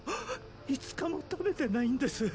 ５日も食べてないんです。